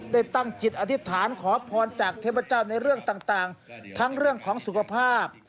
ได้ตั้งจิตอธิษฐานขอพรจากเทพเจ้าในเรื่องต่างทั้งเรื่องของสุขภาพ